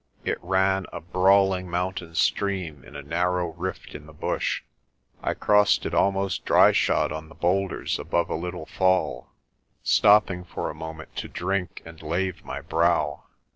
It ran, a brawling mountain stream, in a narrow rift in the bush. I crossed it almost dryshod on the boulders above a little fall, stopping for a moment to drink and lave my brow.